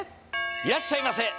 いらっしゃいませ。